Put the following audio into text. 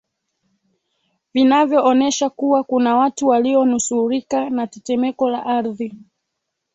vinavyoonesha kuwa kuna watu walionusurika na tetemeko la ardhi